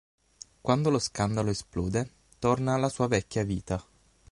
Quando lo scandalo esplode, torna alla sua vecchia vita.